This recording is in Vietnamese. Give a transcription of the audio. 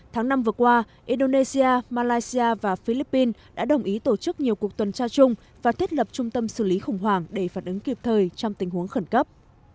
tháng năm vừa qua indonesia malaysia và philippines đã đồng ý tổ chức nhiều cuộc tuần tra chung và thiết lập trung tâm xử lý khủng hoảng để phản ứng kịp thời trong tình huống khẩn cấp